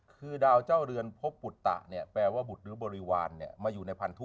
คือดาวเจ้าเรือนพบปุตตะเนี่ยแปลว่าบุตรหรือบริวารมาอยู่ในพันธุ